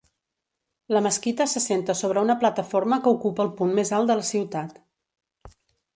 La mesquita s'assenta sobre una plataforma que ocupa el punt més alt de la ciutat.